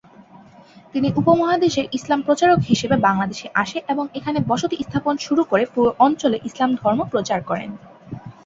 তিনি উপমহাদেশের ইসলাম প্রচারক হিসেবে বাংলাদেশে আসে এবং এখানে বসতি স্থাপন শুরু করে পুরো অঞ্চলে ইসলাম ধর্ম প্রচার করেন।